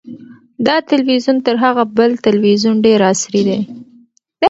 دا تلویزیون تر هغه بل تلویزیون ډېر عصري دی.